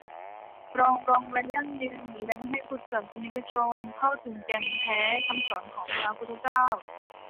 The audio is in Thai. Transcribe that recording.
ปรองดอง และยั่งยืน และให้พุทธศาสนิกชนเข้าถึงแก่นแท้คำสอนของพระพุทธเจ้า